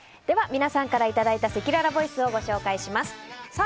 皆さんからいただいたせきららボイスをご紹介します。